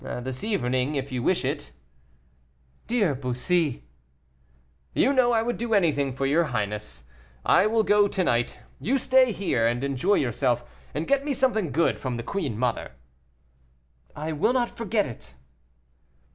"This evening if you wish it." "Dear Bussy." "You know I would do anything for your highness. I will go to night; you stay here and enjoy yourself, and get me something good from the queen mother." "I will not forget."